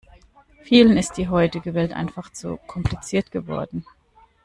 Vielen ist die heutige Welt einfach zu kompliziert geworden.